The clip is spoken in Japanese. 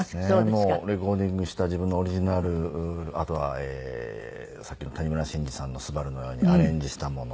レコーディングした自分のオリジナルあとはさっきの谷村新司さんの『昴−すばる−』のようにアレンジしたもの。